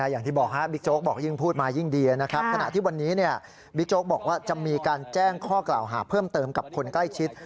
อย่างที่บอกบิ๊กโจ๊กบอกยิ่งพูดมายิ่งดีนะครับขณะที่วันนี้บิ๊กโจ๊กบอกว่าจะมีการแจ้งข้อกล่าวหาเพิ่มเติมกับคนใกล้ชิด